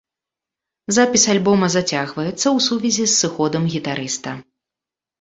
Запіс альбома зацягваецца ў сувязі з сыходам гітарыста.